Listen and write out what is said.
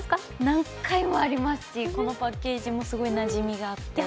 何回もありますし、このパッケージもすごいなじみがあって。